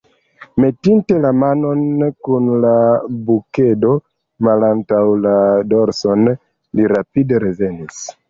Metinte la manon kun la bukedo malantaŭ la dorson, li rapide revenis.